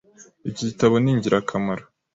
Iki gitabo ni ingirakamaro .